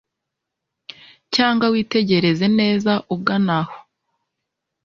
cyangwa witegereze neza ugana aho